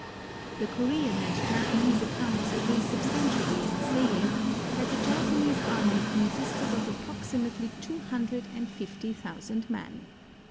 The Korean and Japanese accounts agree substantially in saying that the Japanese army consisted of approximately two hundred and fifty thousand men.